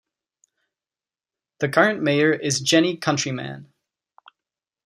The current mayor is Jenny Countryman.